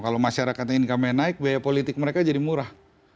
kalau masyarakat ingin income nya naik biaya politik mereka jadi murah